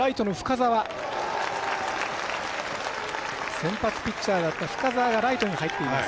先発ピッチャーだった深沢がライトに入っています。